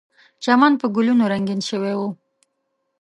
چمن په ګلونو رنګین شوی و.